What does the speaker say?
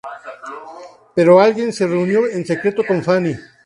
Pero alguien se reunió en secreto con Fanny.